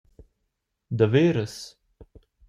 Daveras!